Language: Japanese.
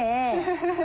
フフフフ。